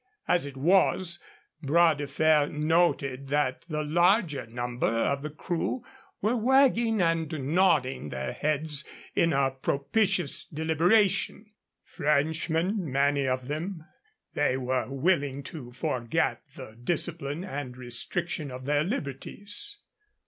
As it was, Bras de Fer noted that the larger number of the crew were wagging and nodding their heads in a propitious deliberation. Frenchmen, many of them, they were willing to forget the discipline and restriction of their liberties.